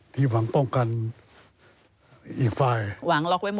ดีหวังต้องการอีกฟั่ง